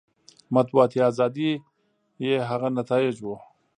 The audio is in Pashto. مطبوعاتي ازادي یې هغه نتایج وو.